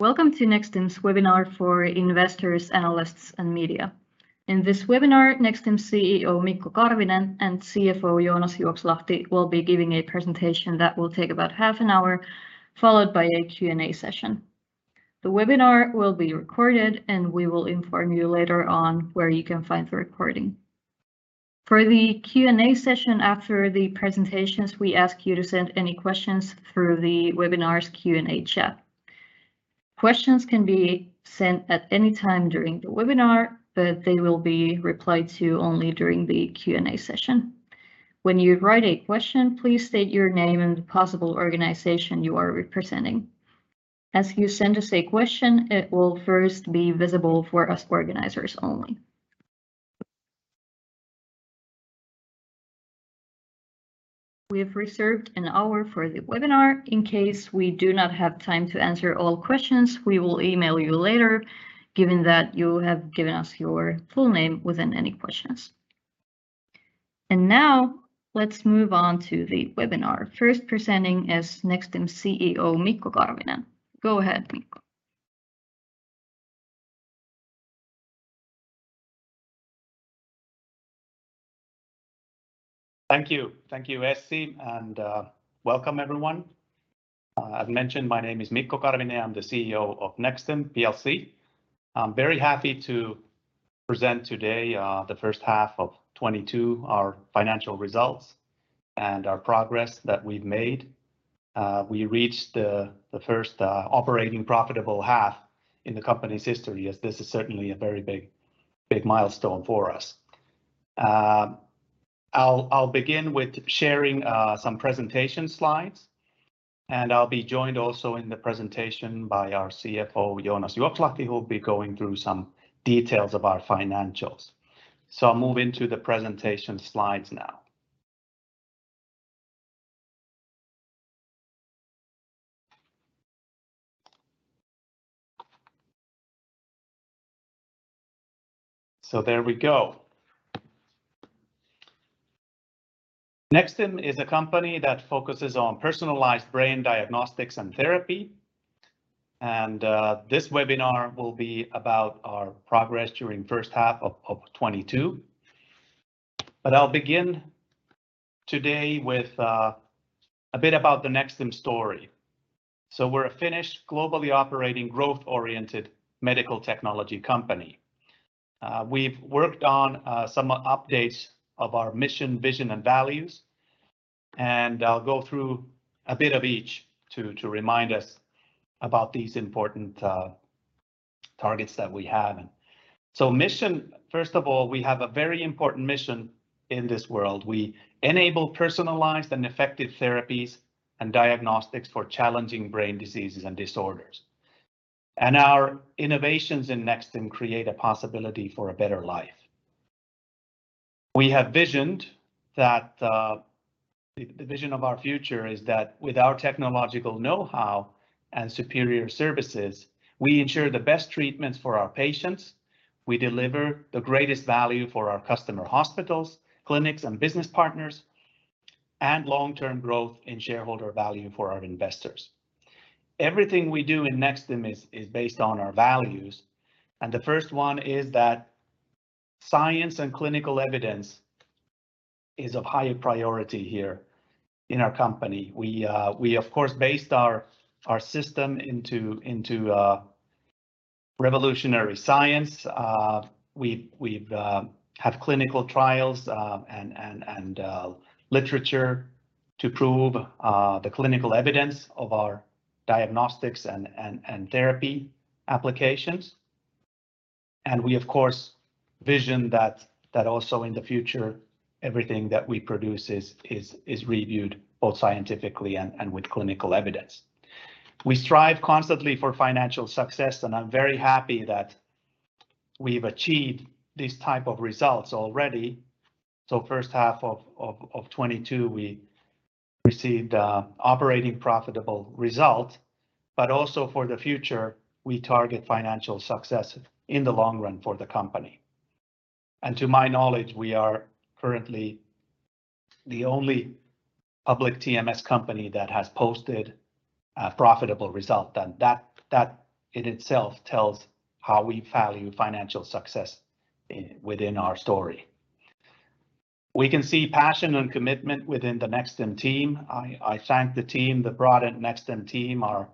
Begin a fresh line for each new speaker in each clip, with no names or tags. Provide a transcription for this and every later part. Welcome to Nexstim's webinar for investors, analysts, and media. In this webinar, Nexstim CEO Mikko Karvinen and CFO Joonas Juokslahti will be giving a presentation that will take about half an hour, followed by a Q&A session. The webinar will be recorded, and we will inform you later on where you can find the recording. For the Q&A session after the presentations, we ask you to send any questions through the webinar's Q&A chat. Questions can be sent at any time during the webinar, but they will be replied to only during the Q&A session. When you write a question, please state your name and possible organization you are representing. As you send us a question, it will first be visible for us organizers only. We have reserved an hour for the webinar. In case we do not have time to answer all questions, we will email you later, given that you have given us your full name within any questions. Now, let's move on to the webinar. First presenting is Nexstim CEO Mikko Karvinen. Go ahead, Mikko.
Thank you. Thank you, Essy, and welcome everyone. As mentioned, my name is Mikko Karvinen. I'm the CEO of Nexstim PLC. I'm very happy to present today the first half of 2022, our financial results and our progress that we've made. We reached the first operating profitable half in the company's history. Yes, this is certainly a very big milestone for us. I'll begin with sharing some presentation slides, and I'll be joined also in the presentation by our CFO, Joonas Juokslahti, who will be going through some details of our financials. I'll move into the presentation slides now. There we go. Nexstim is a company that focuses on personalized brain diagnostics and therapy. This webinar will be about our progress during first half of 2022. I'll begin today with a bit about the Nexstim story. We're a Finnish, globally operating, growth-oriented medical technology company. We've worked on some updates of our mission, vision, and values, and I'll go through a bit of each to remind us about these important targets that we have. Mission, first of all, we have a very important mission in this world. We enable personalized and effective therapies and diagnostics for challenging brain diseases and disorders. And our innovations in Nexstim create a possibility for a better life. We have visioned that the vision of our future is that with our technological knowhow and superior services, we ensure the best treatments for our patients, we deliver the greatest value for our customer hospitals, clinics, and business partners, and long-term growth in shareholder value for our investors. Everything we do in Nexstim is based on our values, and the first one is that science and clinical evidence is of higher priority here in our company. We of course based our system on revolutionary science. We have clinical trials and literature to prove the clinical evidence of our diagnostics and therapy applications. We of course envision that also in the future, everything that we produce is reviewed both scientifically and with clinical evidence. We strive constantly for financial success, and I'm very happy that we've achieved these type of results already. First half of 2022, we received an operating profitable result, but also for the future, we target financial success in the long run for the company. To my knowledge, we are currently the only public TMS company that has posted a profitable result, and that in itself tells how we value financial success within our story. We can see passion and commitment within the Nexstim team. I thank the team, the broad Nexstim team, our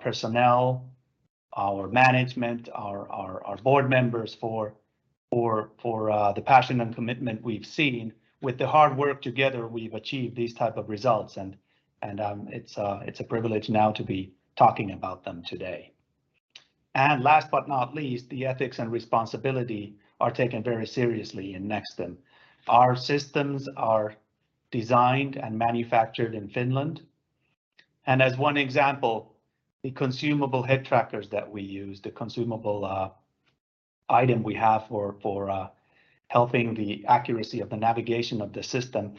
personnel, our management, our board members for the passion and commitment we've seen. With the hard work together, we've achieved these type of results, and it's a privilege now to be talking about them today. Last but not least, the ethics and responsibility are taken very seriously in Nexstim. Our systems are designed and manufactured in Finland. As one example, the consumable head trackers that we use, the consumable item we have for helping the accuracy of the navigation of the system,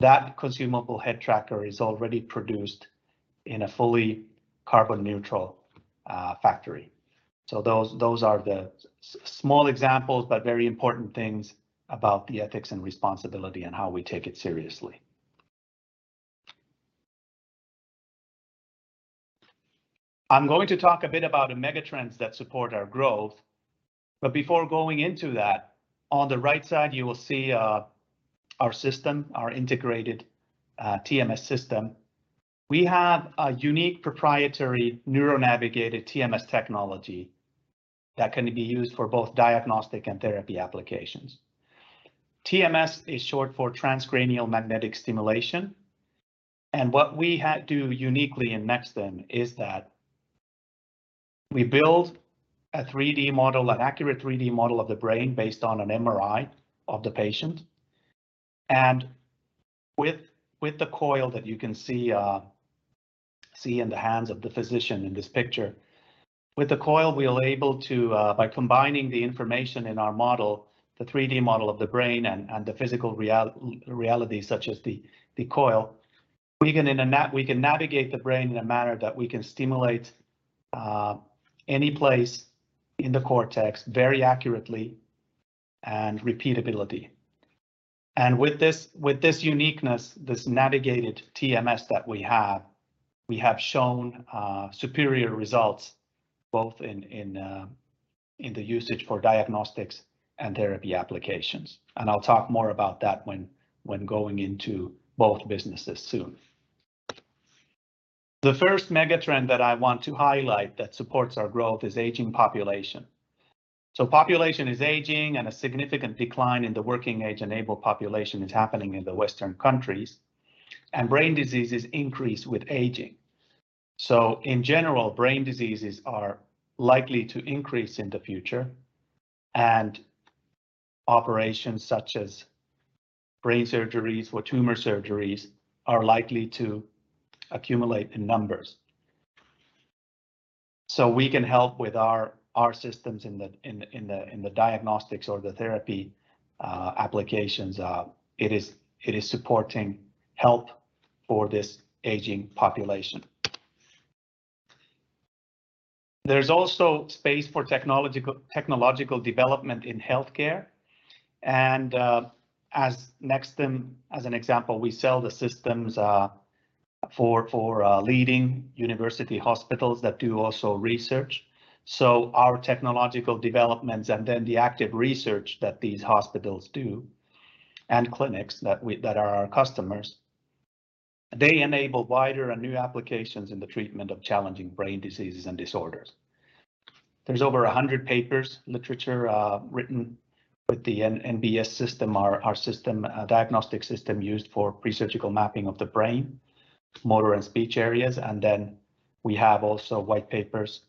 that consumable head tracker is already produced in a fully carbon-neutral factory. Those are the small examples, but very important things about the ethics and responsibility and how we take it seriously. I'm going to talk a bit about the megatrends that support our growth, but before going into that, on the right side, you will see our system, our integrated TMS system. We have a unique proprietary neuronavigated TMS technology that can be used for both diagnostic and therapy applications. TMS is short for transcranial magnetic stimulation, and what we do uniquely in Nexstim is that we build a 3D model, an accurate 3D model of the brain based on an MRI of the patient, and with the coil that you can see in the hands of the physician in this picture. With the coil, we are able to, by combining the information in our model, the 3D model of the brain and the physical reality such as the coil, we can navigate the brain in a manner that we can stimulate any place in the cortex very accurately and repeatability. With this uniqueness, this navigated TMS that we have, we have shown superior results both in the usage for diagnostics and therapy applications, and I'll talk more about that when going into both businesses soon. The first megatrend that I want to highlight that supports our growth is aging population. Population is aging, and a significant decline in the working age enabled population is happening in the Western countries, and brain diseases increase with aging. In general, brain diseases are likely to increase in the future, and operations such as brain surgeries or tumor surgeries are likely to accumulate in numbers. We can help with our systems in the diagnostics or the therapy applications. It is supporting help for this aging population. There's also space for technological development in healthcare, and as Nexstim, as an example, we sell the systems for leading university hospitals that also do research. Our technological developments and then the active research that these hospitals do and clinics that are our customers enable wider and new applications in the treatment of challenging brain diseases and disorders. There's over 100 papers in the literature written with the NBS system, our diagnostic system used for pre-surgical mapping of the brain, motor and speech areas. We also have white papers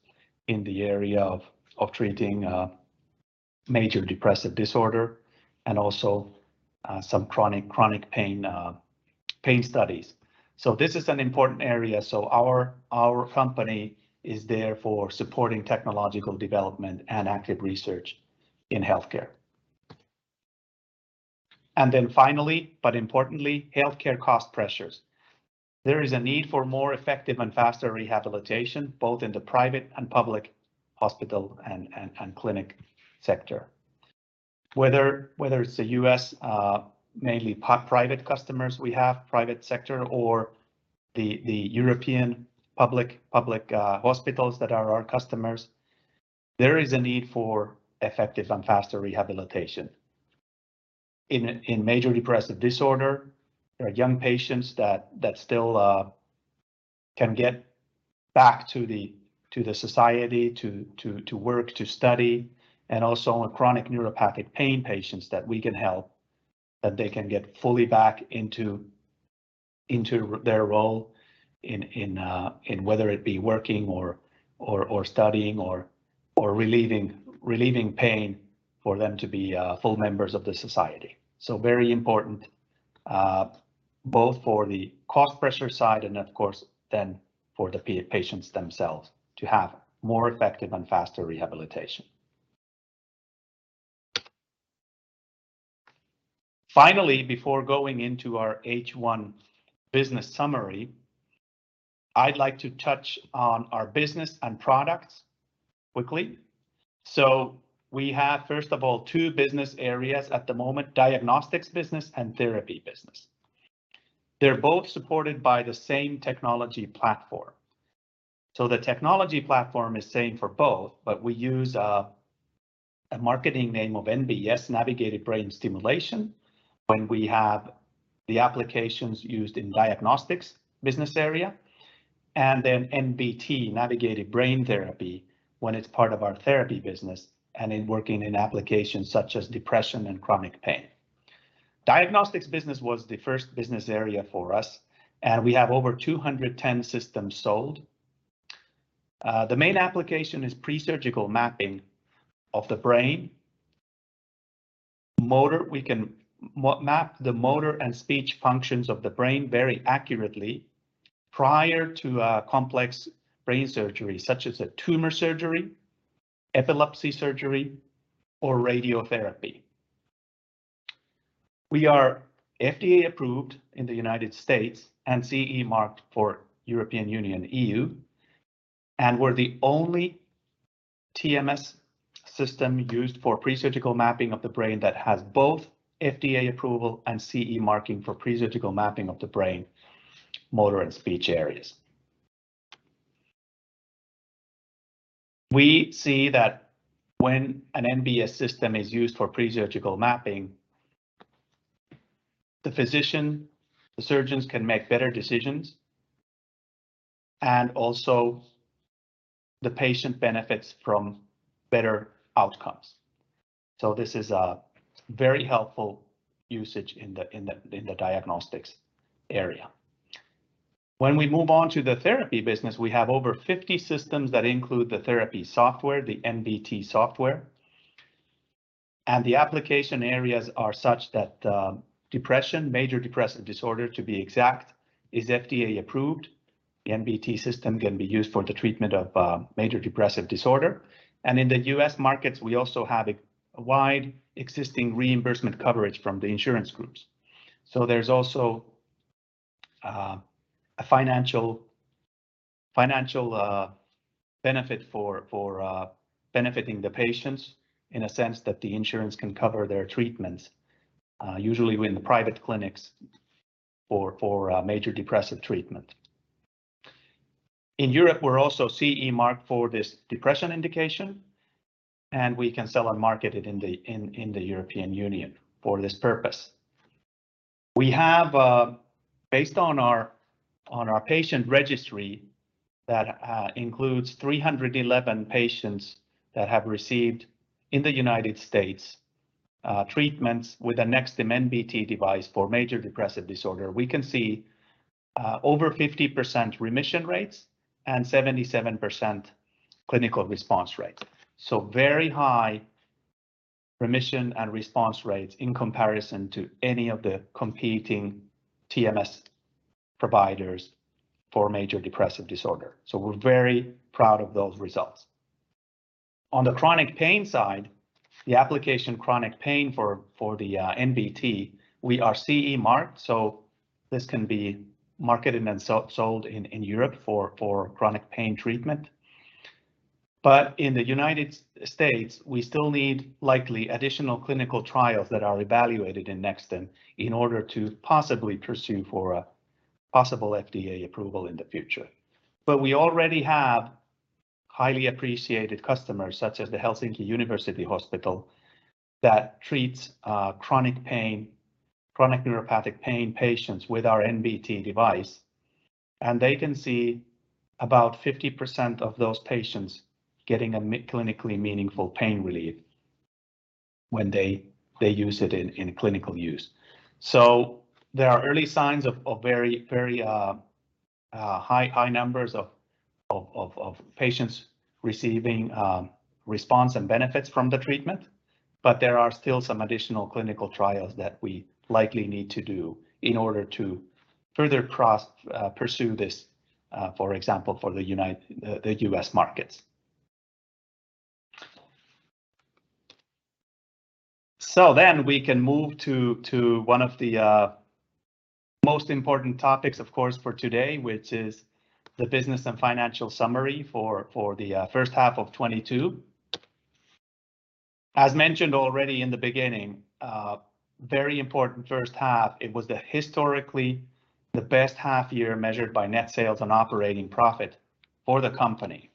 in the area of treating major depressive disorder and some chronic pain studies. This is an important area. Our company is there for supporting technological development and active research in healthcare. And then finally, but importantly, healthcare cost pressures. There is a need for more effective and faster rehabilitation, both in the private and public hospital and clinic sector. Whether it's the U.S., mainly private customers we have, private sector or the European public hospitals that are our customers, there is a need for effective and faster rehabilitation. In major depressive disorder, there are young patients that still can get back to the society to work, to study, and also in chronic neuropathic pain patients that we can help, that they can get fully back into their role in whether it be working or studying or relieving pain for them to be full members of the society. So very important, both for the cost pressure side and of course then for the patients themselves to have more effective and faster rehabilitation. Finally, before going into our H1 business summary, I'd like to touch on our business and products quickly. We have, first of all, two business areas at the moment, diagnostics business and therapy business. They're both supported by the same technology platform. The technology platform is same for both, but we use a marketing name of NBS, Navigated Brain Stimulation, when we have the applications used in diagnostics business area, and then NBT, Navigated Brain Therapy, when it's part of our therapy business and in working in applications such as depression and chronic pain. Diagnostics business was the first business area for us, and we have over 210 systems sold. The main application is pre-surgical mapping of the brain. Motor, we can map the motor and speech functions of the brain very accurately prior to complex brain surgery such as a tumor surgery, epilepsy surgery, or radiotherapy. We are FDA approved in the United States and CE marked for European Union, EU, and we're the only TMS system used for pre-surgical mapping of the brain that has both FDA approval and CE marking for pre-surgical mapping of the brain, motor and speech areas. We see that when an NBS system is used for pre-surgical mapping, the physician, the surgeons can make better decisions and also the patient benefits from better outcomes. This is a very helpful usage in the diagnostics area. When we move on to the therapy business, we have over 50 systems that include the therapy software, the NBT software. And the application areas are such that depression, major depressive disorder to be exact, is FDA approved. The NBT system can be used for the treatment of major depressive disorder. In the U.S. markets, we also have a wide existing reimbursement coverage from the insurance groups. There's also a financial benefit for benefiting the patients in a sense that the insurance can cover their treatments usually in the private clinics for major depressive treatment. In Europe, we're also CE marked for this depression indication, and we can sell and market it in the European Union for this purpose. We have based on our patient registry that includes 311 patients that have received in the United States treatments with a Nexstim NBT device for major depressive disorder. We can see over 50% remission rates and 77% clinical response rate. Very high remission and response rates in comparison to any of the competing TMS providers for major depressive disorder. We're very proud of those results. On the chronic pain side, the application chronic pain for the NBT, we are CE marked, so this can be marketed and sold in Europe for chronic pain treatment. In the United States, we still need likely additional clinical trials that are evaluated in Nexstim in order to possibly pursue for a possible FDA approval in the future. We already have highly appreciated customers such as the Helsinki University Hospital that treats chronic pain, chronic neuropathic pain patients with our NBT device. They can see about 50% of those patients getting clinically meaningful pain relief when they use it in clinical use. So there are early signs of high numbers of patients receiving response and benefits from the treatment, but there are still some additional clinical trials that we likely need to do in order to further pursue this, for example, for the U.S. markets. So then we can move to one of the most important topics, of course, for today, which is the business and financial summary for the first half of 2022. As mentioned already in the beginning, very important first half. It was historically the best half year measured by net sales and operating profit for the company.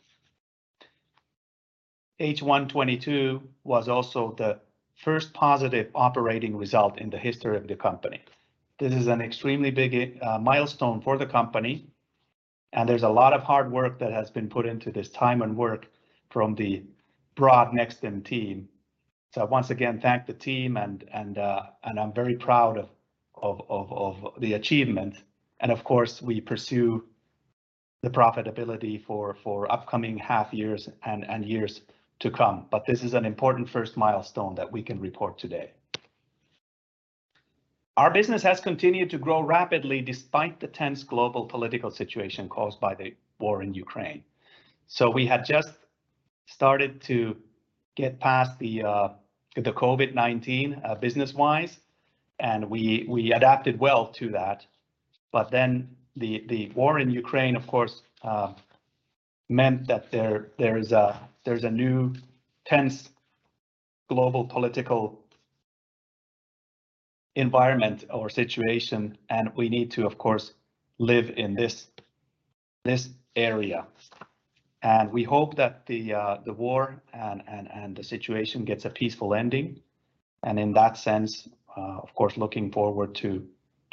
H1 2022 was also the first positive operating result in the history of the company. This is an extremely big milestone for the company, and there's a lot of hard work that has been put into this time and work from the broad Nexstim team. Once again, thank the team and I'm very proud of the achievement. And of course, we pursue the profitability for upcoming half years and years to come. This is an important first milestone that we can report today. Our business has continued to grow rapidly despite the tense global political situation caused by the war in Ukraine. So we had just started to get past the COVID-19 business-wise, and we adapted well to that. The war in Ukraine, of course, meant that there is a new tense global political environment or situation, and we need to, of course, live in this area. We hope that the war and the situation gets a peaceful ending. In that sense, of course, looking forward to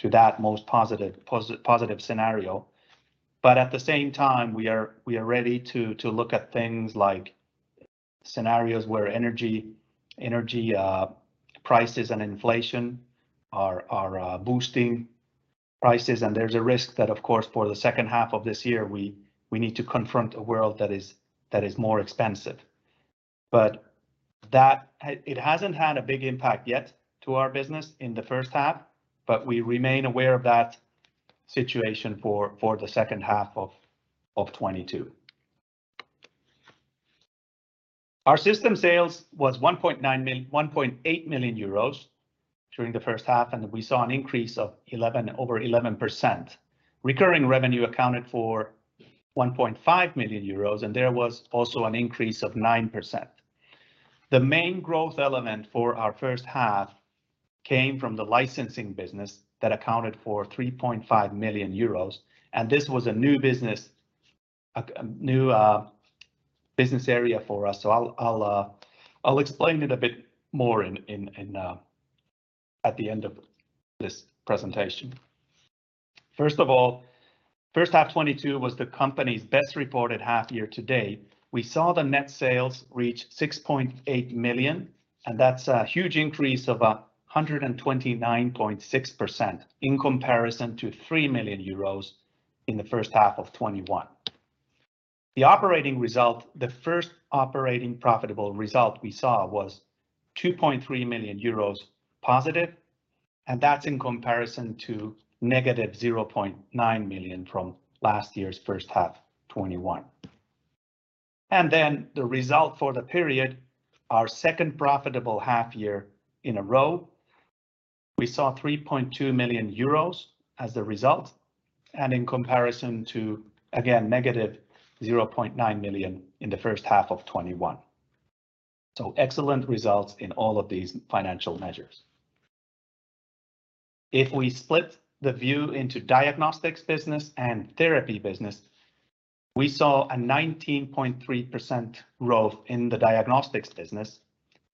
that most positive scenario. But at the same time, we are ready to look at things like scenarios where energy prices and inflation are boosting prices. There's a risk that of course, for the second half of this year, we need to confront a world that is more expensive. But that it hasn't had a big impact yet to our business in the first half, but we remain aware of that situation for the second half of 2022. Our system sales was 1.8 million euros during the first half, and we saw an increase of over 11%. Recurring revenue accounted for 1.5 million euros, and there was also an increase of 9%. The main growth element for our first half came from the licensing business that accounted for 3.5 million euros, and this was a new business area for us. I'll explain it a bit more at the end of this presentation. First of all, first half 2022 was the company's best reported half-year to date. We saw the net sales reach 6.8 million, and that's a huge increase of 129.6% in comparison to 3 million euros in the first half of 2021. The operating result, the first operating profitable result we saw was 2.3 million euros+, and that's in comparison to -0.9 million from last year's first half 2021. The result for the period, our second profitable half year in a row, we saw 3.2 million euros as the result and in comparison to again -0.9 million in the first half of 2021. So excellent results in all of these financial measures. If we split the view into diagnostics business and therapy business, we saw a 19.3% growth in the diagnostics business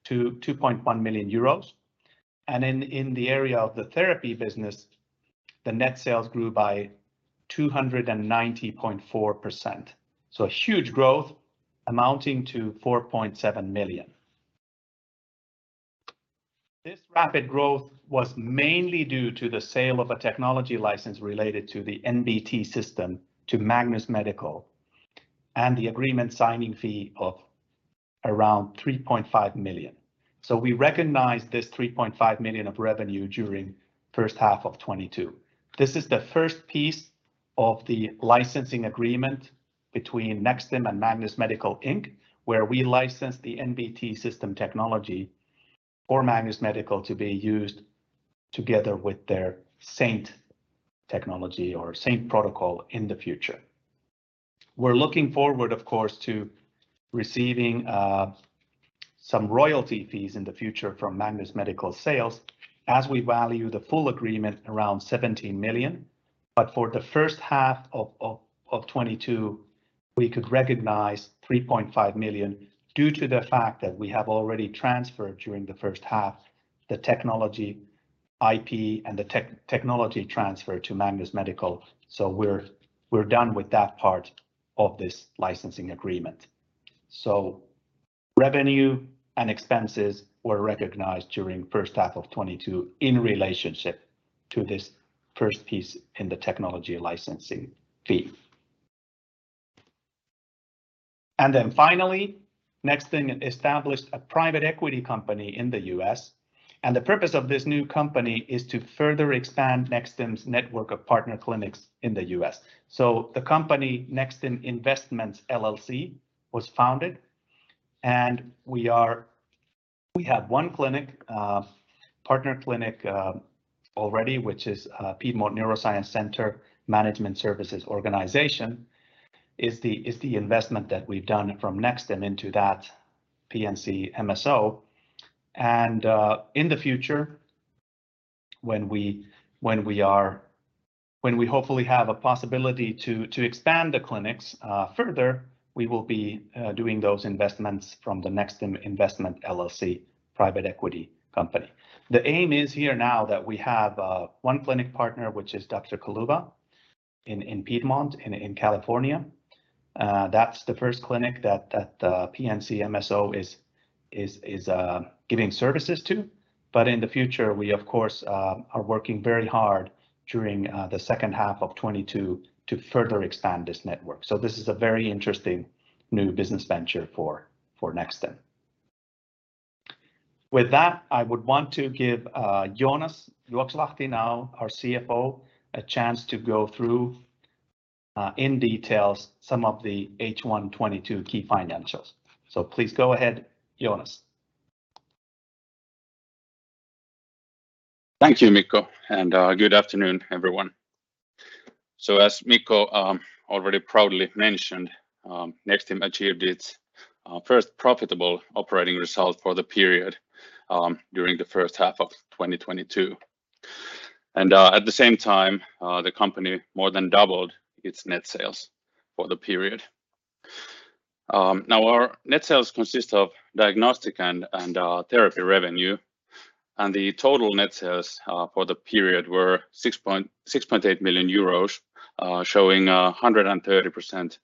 to 2.1 million euros. And in the area of the therapy business, the net sales grew by 290.4%. So huge growth amounting to 4.7 million. This rapid growth was mainly due to the sale of a technology license related to the NBT system to Magnus Medical and the agreement signing fee of around 3.5 million. So we recognized this 3.5 million of revenue during first half of 2022. This is the first piece of the licensing agreement between Nexstim and Magnus Medical, Inc., where we license the NBT system technology for Magnus Medical to be used together with their Saint technology or Saint protocol in the future. We're looking forward, of course, to receiving some royalty fees in the future from Magnus Medical sales as we value the full agreement around 17 million. For the first half of 2022, we could recognize 3.5 million due to the fact that we have already transferred during the first half the technology IP and the technology transfer to Magnus Medical. We're done with that part of this licensing agreement. Revenue and expenses were recognized during first half of 2022 in relationship to this first piece in the technology licensing fee. And then finally, Nexstim established a private equity company in the U.S., and the purpose of this new company is to further expand Nexstim's network of partner clinics in the U.S. So the company, Nexstim Investments, LLC, was founded, and we have one partner clinic already, which is Piedmont Neuroscience Center Management Services Organization, is the investment that we've done from Nexstim into that PNC MSO. And in the future, when we hopefully have a possibility to expand the clinics further, we will be doing those investments from the Nexstim Investments, LLC private equity company. The aim is here now that we have one clinic partner, which is Dr. Kuluva in Piedmont in California. That's the first clinic that PNC MSO is giving services to. But in the future, we of course are working very hard during the second half of 2022 to further expand this network. This is a very interesting new business venture for Nexstim. With that, I would want to give Joonas Juokslahti, our CFO, a chance to go through in details some of the H1 2022 key financials. Please go ahead, Joonas.
Thank you, Mikko, and good afternoon, everyone. So as Mikko already proudly mentioned, Nexstim achieved its first profitable operating result for the period during the first half of 2022. And at the same time, the company more than doubled its net sales for the period. Now, our net sales consist of diagnostic and therapy revenue, and the total net sales for the period were 6.8 million euros, showing 130%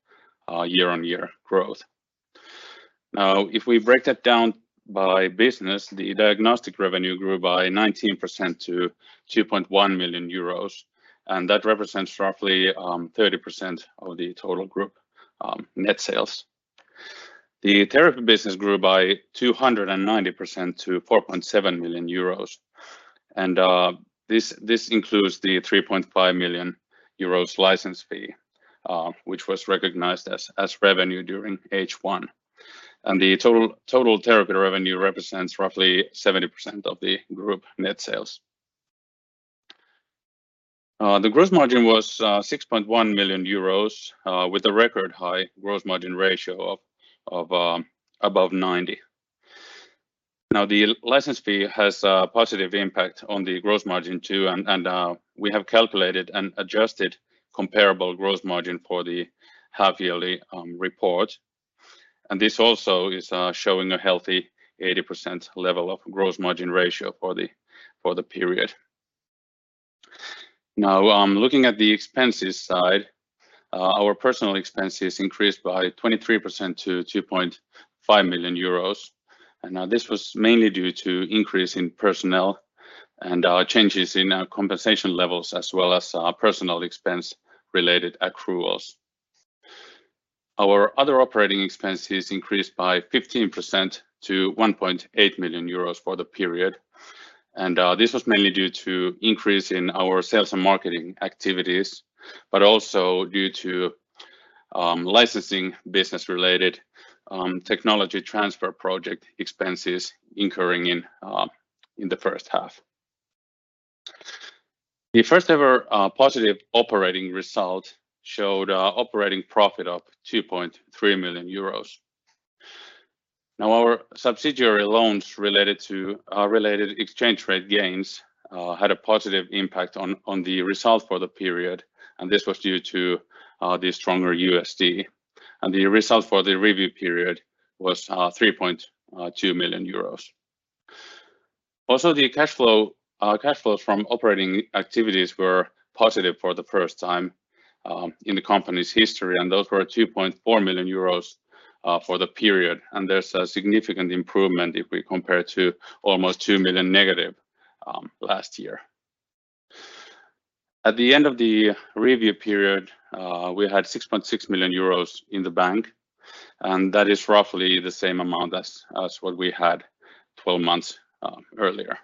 year-on-year growth. Now, if we break that down by business, the diagnostic revenue grew by 19% to 2.1 million euros, and that represents roughly 30% of the total group net sales. The Therapy business grew by 290% to 4.7 million euros. This includes the 3.5 million euros license fee, which was recognized as revenue during H1. And the total Therapy revenue represents roughly 70% of the group net sales. The gross margin was 6.1 million euros, with a record high gross margin ratio of above 90%. Now, the license fee has a positive impact on the gross margin too, and we have calculated an adjusted comparable gross margin for the half-yearly report. This also is showing a healthy 80% level of gross margin ratio for the period. Now, looking at the expenses side, our personnel expenses increased by 23% to 2.5 million euros. Now, this was mainly due to increase in personnel and changes in our compensation levels as well as our personnel expense related accruals. Our other operating expenses increased by 15% to 1.8 million euros for the period, and this was mainly due to increase in our sales and marketing activities, but also due to licensing business related technology transfer project expenses incurring in the first half. The first ever positive operating result showed operating profit of 2.3 million euros. Now, our subsidiary loans related exchange rate gains had a positive impact on the result for the period, and this was due to the stronger USD. And the result for the review period was 3.2 million euros. Also, the cash flows from operating activities were positive for the first time in the company's history, and those were 2.4 million euros for the period, and there's a significant improvement if we compare to almost 2 million- last year. At the end of the review period, we had 6.6 million euros in the bank, and that is roughly the same amount as what we had 12 months earlier.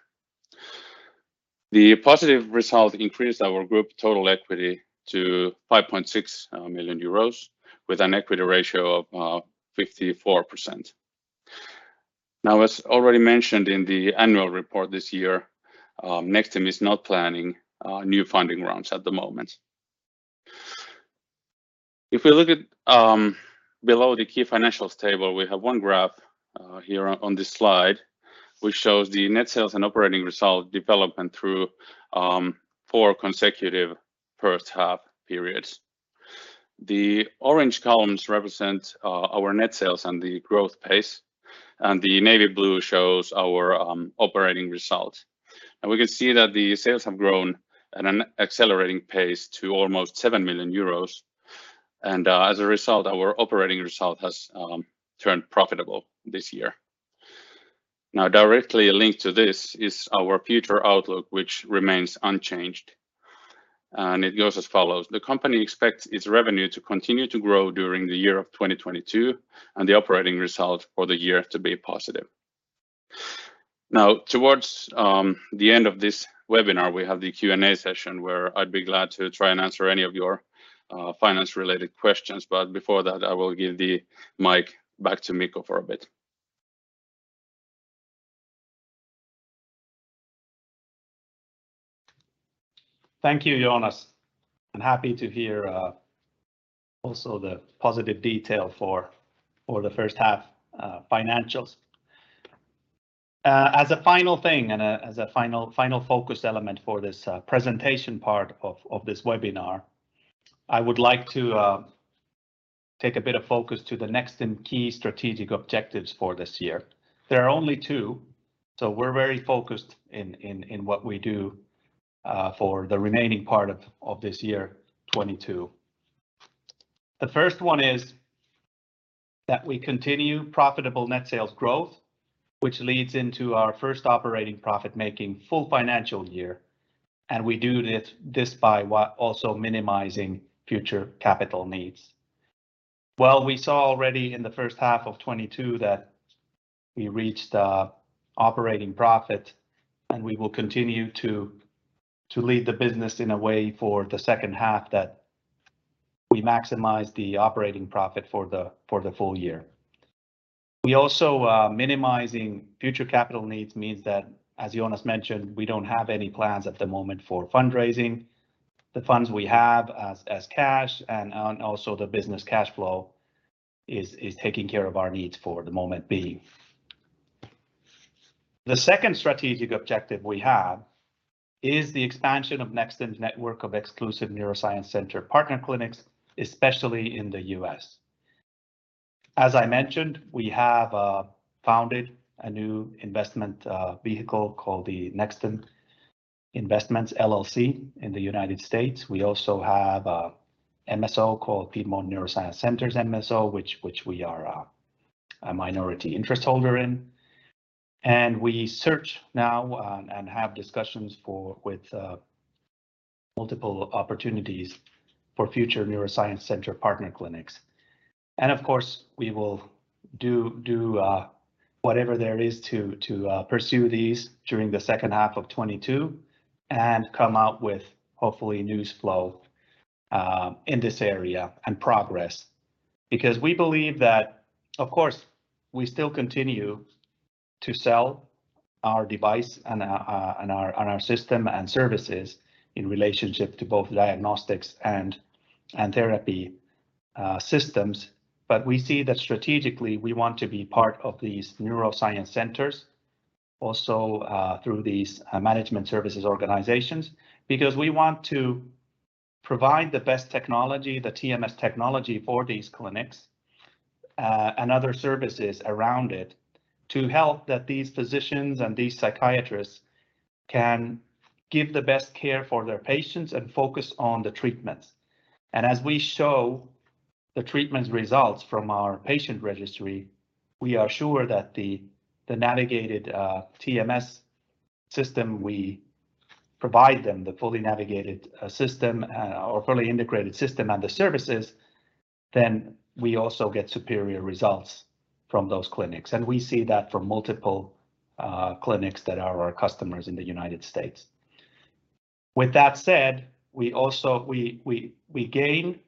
The positive result increased our group total equity to 5.6 million euros, with an equity ratio of 54%. Now, as already mentioned in the annual report this year, Nexstim is not planning new funding rounds at the moment. If we look at below the key financials table, we have one graph here on this slide which shows the net sales and operating result development through four consecutive first half periods. The orange columns represent our net sales and the growth pace, and the navy blue shows our operating result. And we can see that the sales have grown at an accelerating pace to almost 7 million euros, and as a result, our operating result has turned profitable this year. Now, directly linked to this is our future outlook, which remains unchanged, and it goes as follows. The company expects its revenue to continue to grow during the year of 2022, and the operating result for the year to be positive. Now, towards the end of this webinar, we have the Q&A session where I'd be glad to try and answer any of your finance-related questions, but before that, I will give the mic back to Mikko for a bit.
Thank you, Joonas. I'm happy to hear also the positive detail for the first half financials. As a final thing and as a final focus element for this presentation part of this webinar, I would like to take a bit of focus to the next and key strategic objectives for this year. There are only two, so we're very focused in what we do for the remaining part of this year 2022. The first one is that we continue profitable net sales growth, which leads into our first operating profit making full financial year, and we do this by also minimizing future capital needs. Well, we saw already in the first half of 2022 that we reached operating profit, and we will continue to lead the business in a way for the second half that we maximize the operating profit for the full year. We also minimizing future capital needs means that, as Joonas mentioned, we don't have any plans at the moment for fundraising. The funds we have as cash and also the business cash flow is taking care of our needs for the moment being. The second strategic objective we have is the expansion of Nexstim network of exclusive neuroscience center partner clinics, especially in the U.S. As I mentioned, we have founded a new investment vehicle called the Nexstim Investments, LLC in the United States. We also have a MSO called Piedmont Neuroscience Center MSO, which we are a minority interest holder in. And we are searching now and have discussions with multiple opportunities for future neuroscience center partner clinics. Of course, we will do whatever there is to pursue these during the second half of 2022 and come out with hopefully news flow in this area and progress. Because we believe that, of course, we still continue to sell our device and our system and services in relationship to both diagnostics and therapy systems. But we see that strategically we want to be part of these neuroscience centers also through these management services organizations, because we want to provide the best technology, the TMS technology for these clinics and other services around it to help these physicians and these psychiatrists can give the best care for their patients and focus on the treatments. And as we show the treatments results from our patient registry, we are sure that the navigated TMS system we provide them, the fully navigated system or fully integrated system and the services, then we also get superior results from those clinics. And we see that from multiple clinics that are our customers in the United States. With that said, we also gain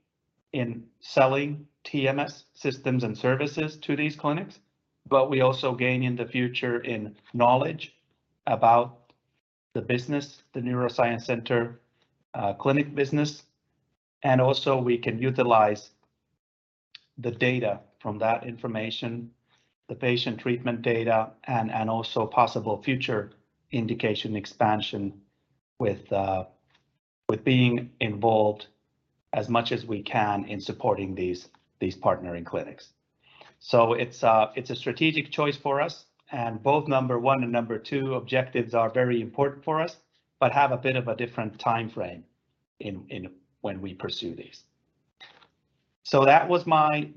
in selling TMS systems and services to these clinics, but we also gain in the future in knowledge about the business, the neuroscience center, clinic business, and also we can utilize the data from that information, the patient treatment data, and also possible future indication expansion with being involved as much as we can in supporting these partnering clinics. It's a strategic choice for us. Both number one and number two objectives are very important for us, but have a bit of a different timeframe when we pursue these. So that was my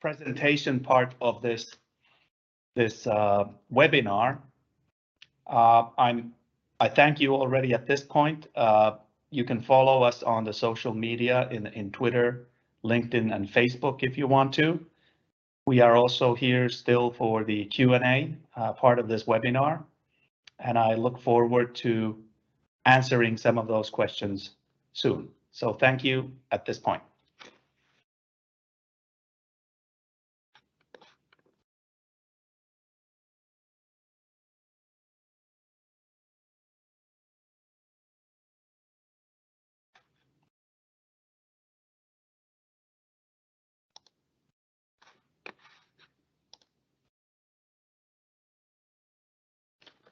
presentation part of this webinar. And I thank you already at this point. You can follow us on the social media in Twitter, LinkedIn, and Facebook if you want to. We are also here still for the Q&A part of this webinar, and I look forward to answering some of those questions soon. So thank you at this point.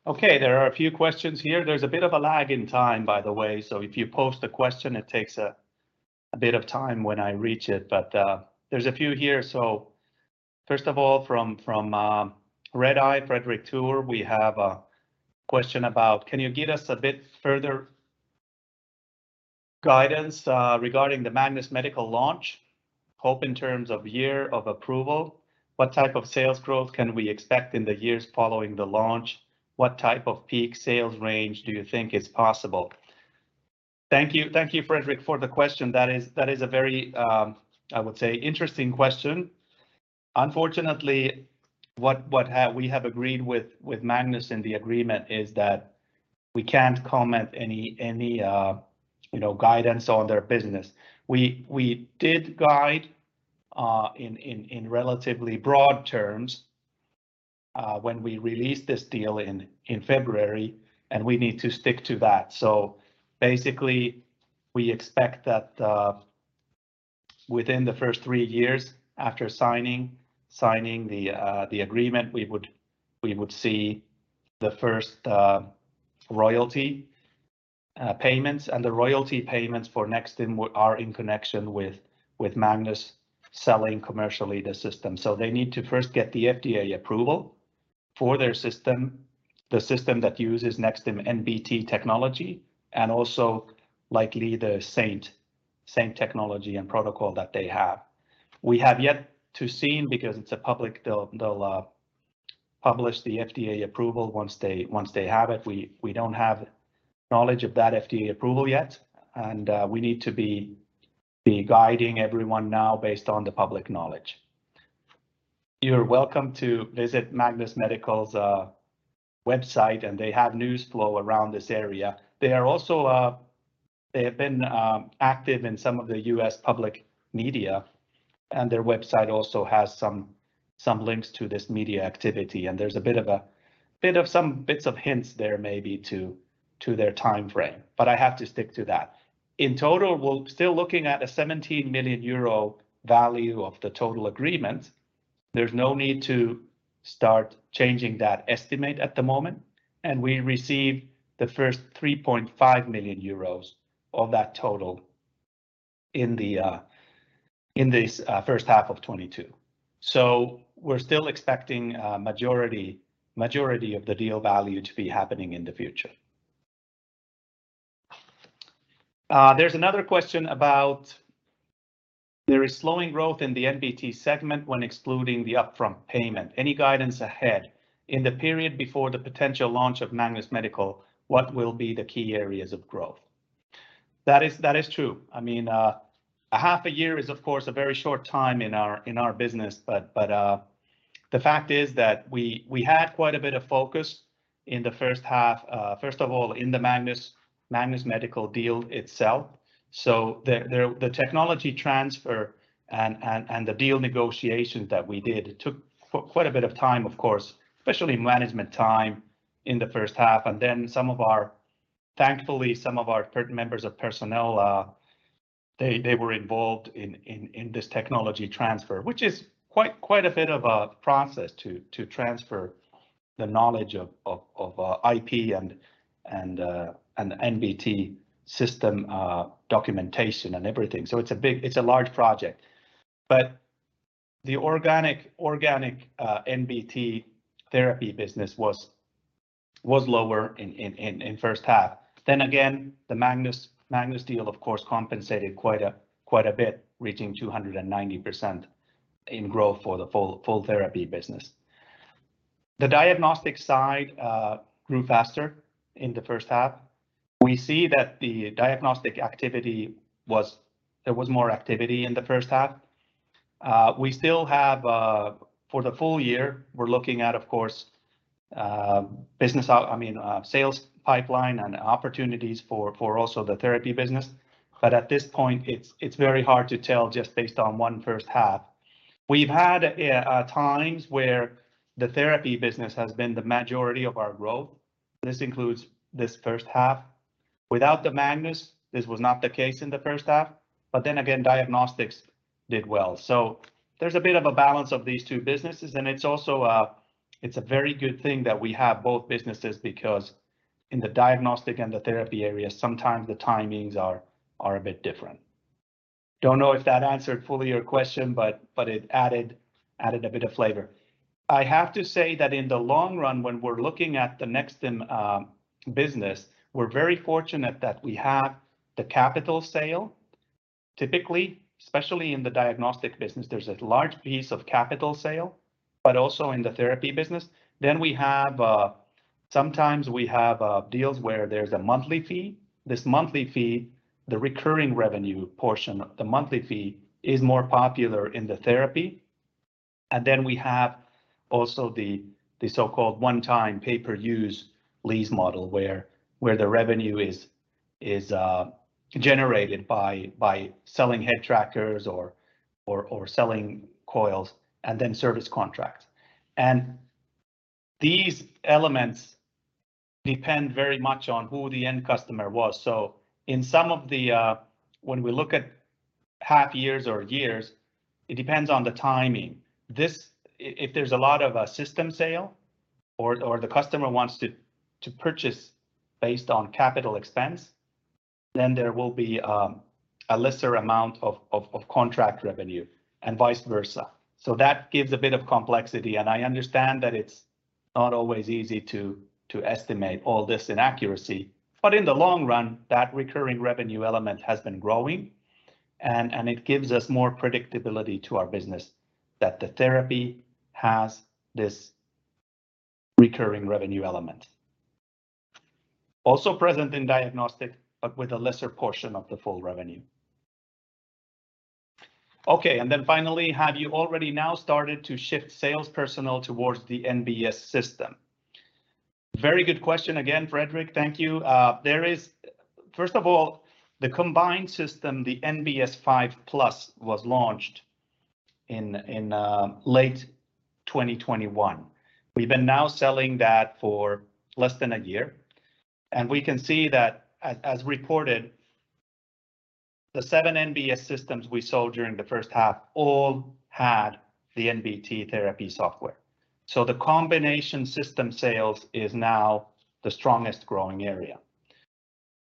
Okay, there are a few questions here. There's a bit of a lag in time, by the way, so if you post a question, it takes a bit of time when I reach it. But there's a few here. First of all, from Redeye, Fredrik Thor, we have a question about, can you give us a bit further guidance regarding the Magnus Medical launch? Hopefully in terms of year of approval. What type of sales growth can we expect in the years following the launch? What type of peak sales range do you think is possible? Thank you. Thank you, Fredrik, for the question. That is a very, I would say, interesting question. Unfortunately, what we have agreed with Magnus in the agreement is that we can't comment any guidance on their business. We did guide in relatively broad terms when we released this deal in February, and we need to stick to that. Basically, we expect that within the first three years after signing the agreement, we would see the first royalty payments. And the royalty payments for Nexstim are in connection with Magnus selling commercially the system. They need to first get the FDA approval for their system, the system that uses Nexstim NBT technology, and also likely the SAINT technology and protocol that they have. We have yet to see, because it's a public, they'll publish the FDA approval once they have it. We don't have knowledge of that FDA approval yet, and we need to be guiding everyone now based on the public knowledge. You're welcome to visit Magnus Medical's website, and they have news flow around this area. They are also, they have been active in some of the U.S. public media, and their website also has some links to this media activity, and there's a bit of hints there maybe to their timeframe. But I have to stick to that. In total, we're still looking at a 17 million euro value of the total agreement. There's no need to start changing that estimate at the moment, and we receive the first 3.5 million euros of that total in this first half of 2022. We're still expecting a majority of the deal value to be happening in the future. There's another question about there is slowing growth in the NBT segment when excluding the upfront payment. Any guidance ahead? In the period before the potential launch of Magnus Medical, what will be the key areas of growth? That is true. I mean, a half a year is of course a very short time in our business, but the fact is that we had quite a bit of focus in the first half, first of all, in the Magnus Medical deal itself. So the technology transfer and the deal negotiations that we did took quite a bit of time, of course, especially management time in the first half. And then some of our, thankfully, some of our personnel they were involved in this technology transfer, which is quite a bit of a process to transfer the knowledge of IP and NBT system documentation and everything. It's a large project. But the organic NBT therapy business was lower in first half. Again, the Magnus deal of course compensated quite a bit, reaching 290% in growth for the full therapy business. The diagnostic side grew faster in the first half. We see that there was more activity in the first half. We still have, for the full year, we're looking at, of course, I mean, sales pipeline and opportunities for also the therapy business. But at this point, it's very hard to tell just based on one first half. We've had times where the therapy business has been the majority of our growth. This includes this first half. Without the Magnus, this was not the case in the first half. But then the diagnostics did well. So there's a bit of a balance of these two businesses, and it's also a very good thing that we have both businesses because in the diagnostic and the therapy area, sometimes the timings are a bit different. Don't know if that answered fully your question, but it added a bit of flavor. I have to say that in the long run, when we're looking at the Nexstim business, we're very fortunate that we have the capital sale. Typically, especially in the diagnostic business, there's a large piece of capital sale, but also in the therapy business. Then we have, sometimes we have deals where there's a monthly fee. This monthly fee, the recurring revenue portion of the monthly fee is more popular in the therapy. And then we have also the so-called one-time pay-per-use lease model, where the revenue is generated by selling head trackers or selling coils and then service contracts. And these elements depend very much on who the end customer was. In some of the when we look at half years or years, it depends on the timing. If there's a lot of system sale or the customer wants to purchase based on capital expense, then there will be a lesser amount of contract revenue and vice versa. So that gives a bit of complexity and I understand that it's not always easy to estimate all this with accuracy. But in the long run, that recurring revenue element has been growing and it gives us more predictability to our business that the therapy has this recurring revenue element. Also present in diagnostic, but with a lesser portion of the full revenue. Okay. And then finally, have you already now started to shift sales personnel towards the NBS system? Very good question again, Fredrik. Thank you. First of all, the combined system, the NBS 5+ was launched in late 2021. We've been now selling that for less than a year. And we can see that as reported, the seven NBS systems we sold during the first half all had the NBT therapy software. The combination system sales is now the strongest growing area.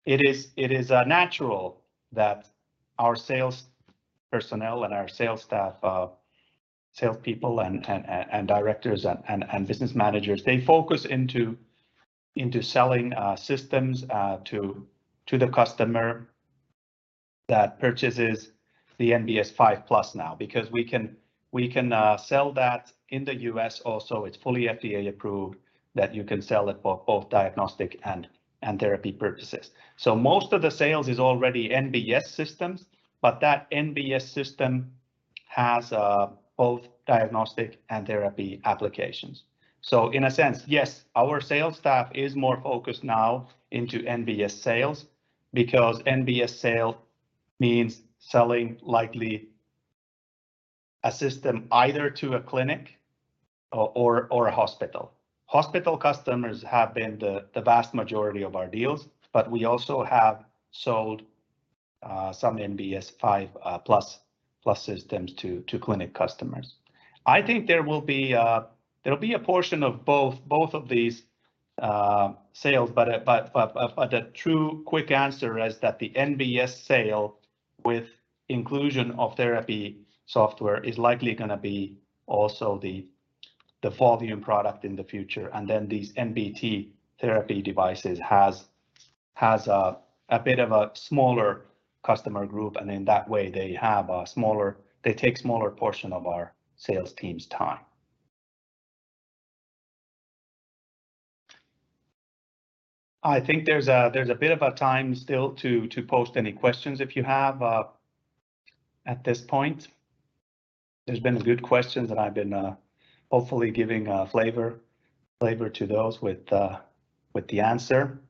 It is natural that our sales personnel and our sales staff, sales people and directors and business managers, they focus into selling systems to the customer that purchases the NBS 5+ now. We can sell that in the U.S. also. It's fully FDA approved that you can sell it for both diagnostic and therapy purposes. So most of the sales is already NBS systems, but that NBS system has both diagnostic and therapy applications. So in a sense, yes, our sales staff is more focused now into NBS sales because NBS sale means selling likely a system either to a clinic or a hospital. Hospital customers have been the vast majority of our deals, but we also have sold some NBS 5+ systems to clinic customers. I think there will be a portion of both of these sales, but the true quick answer is that the NBS sale with inclusion of therapy software is likely gonna be also the volume product in the future, and then these NBT therapy devices has a bit of a smaller customer group, and in that way they take smaller portion of our sales team's time. I think there's a bit of a time still to pose any questions if you have at this point. There's been good questions, and I've been hopefully giving flavor to those with the answer.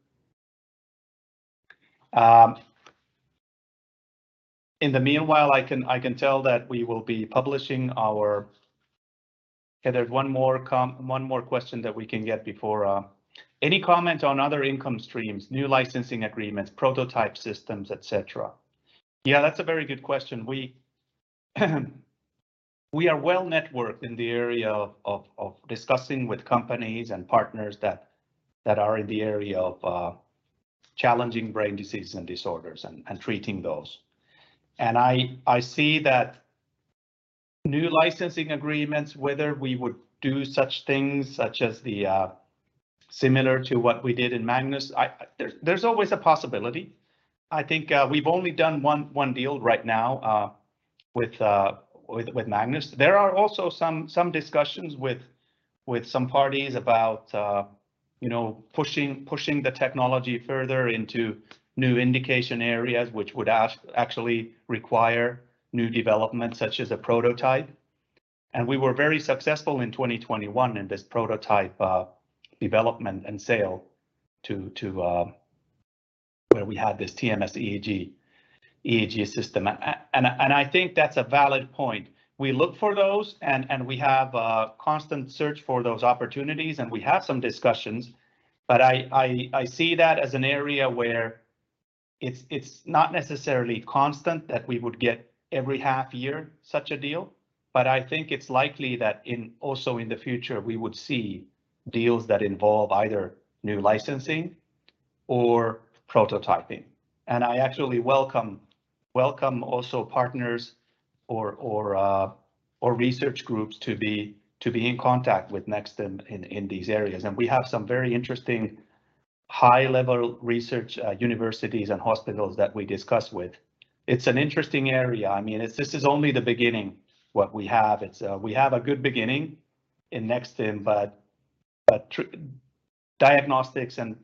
In the meanwhile, I can tell that we will be publishing our. Okay, there's one more question that we can get before. Any comment on other income streams, new licensing agreements, prototype systems, et cetera? Yeah, that's a very good question. We are well-networked in the area of discussing with companies and partners that are in the area of challenging brain disease and disorders and treating those. I see that new licensing agreements, whether we would do such things, such as the similar to what we did in Magnus. There's always a possibility. I think we've only done one deal right now with Magnus. There are also some discussions with some parties about, you know, pushing the technology further into new indication areas, which would actually require new development, such as a prototype. And we were very successful in 2021 in this prototype development and sale to where we had this TMS-EEG system. I think that's a valid point. We look for those, and we have a constant search for those opportunities, and we have some discussions. I see that as an area where it's not necessarily constant that we would get every half year such a deal, but I think it's likely that also in the future we would see deals that involve either new licensing or prototyping. I actually welcome also partners or research groups to be in contact with Nexstim in these areas. We have some very interesting high-level research universities and hospitals that we discuss with. It's an interesting area. I mean, this is only the beginning, what we have. We have a good beginning in Nexstim, but diagnostics and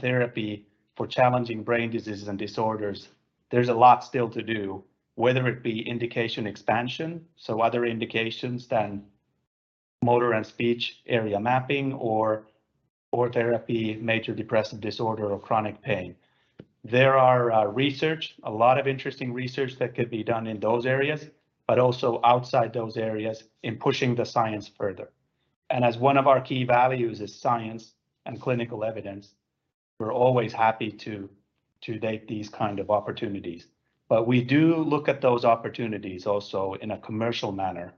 therapy for challenging brain diseases and disorders. There's a lot still to do, whether it be indication expansion, so other indications than motor and speech area mapping or therapy, major depressive disorder or chronic pain. There is a lot of interesting research that could be done in those areas, but also outside those areas in pushing the science further. And as one of our key values is science and clinical evidence, we're always happy to date these kind of opportunities. But we do look at those opportunities also in a commercial manner,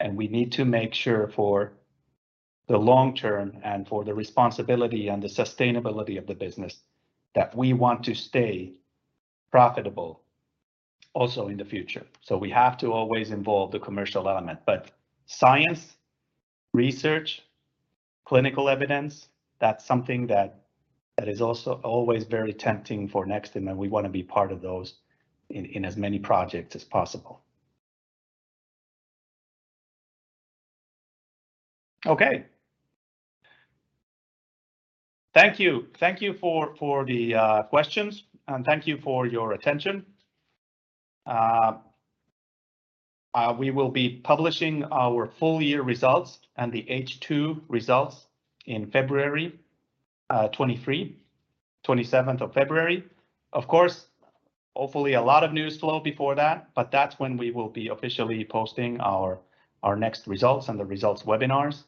and we need to make sure for the long term and for the responsibility and the sustainability of the business that we want to stay profitable also in the future. So we have to always involve the commercial element. Science, research, clinical evidence, that's something that is also always very tempting for Nexstim, and we wanna be part of those in as many projects as possible. Okay. Thank you. Thank you for the questions, and thank you for your attention. We will be publishing our full year results and the H2 results in February 2023, 27th of February. Of course, hopefully a lot of news flow before that, but that's when we will be officially posting our next results and the results webinars.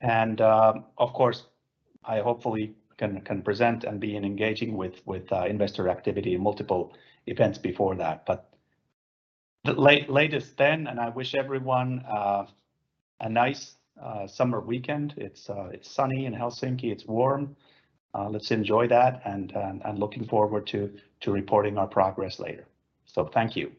Of course, I hopefully can present and be engaging with investor activity in multiple events before that. Latest then, and I wish everyone a nice summer weekend. It's sunny in Helsinki, it's warm. Let's enjoy that, and looking forward to reporting our progress later. So thank you.